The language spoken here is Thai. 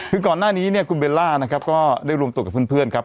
คือก่อนหน้านี้เนี่ยคุณเบลล่านะครับก็ได้รวมตัวกับเพื่อนครับ